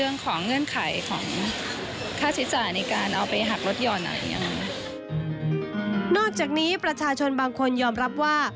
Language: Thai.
นอกจากนี้ประชาชนบางคนยอมรับว่า